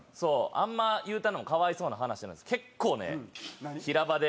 あんま言うたるのも可哀想な話なんですけど結構ね平場で。